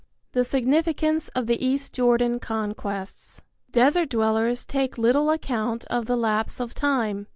THE SIGNIFICANCE OF THE EAST JORDAN CONQUESTS. Desert dwellers take little account of the lapse of time.